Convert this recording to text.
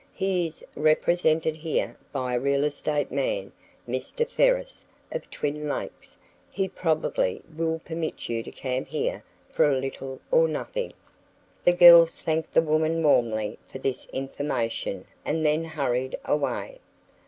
He is represented here by a real estate man, Mr. Ferris, of Twin Lakes. He probably will permit you to camp here for little or nothing." The girls thanked the woman warmly for this information and then hurried away.